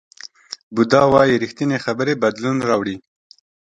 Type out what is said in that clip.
بودا وایي ریښتینې خبرې بدلون راوړي.